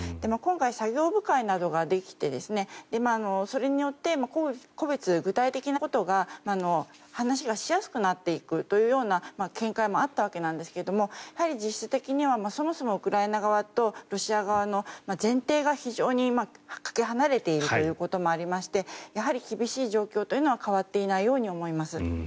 今回、作業部会などができてそれによって個別具体的なことが話がしやすくなっていくという見解もあったみたいですがやはり実質的には、そもそもウクライナ側とロシア側の前提が非常にかけ離れているということもありましてやはり厳しい状況というのは変わっていないように思います。